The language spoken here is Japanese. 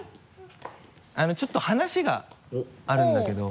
あのちょっと話があるんだけど。